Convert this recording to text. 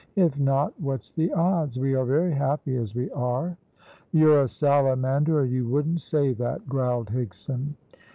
If not, what's the odds? we are very happy as we are." "You're a salamander, or you wouldn't say that," growled Higson.